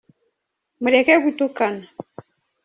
mureke gutukana.